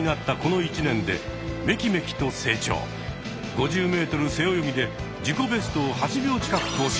５０ｍ背泳ぎで自己ベストを８秒近く更新。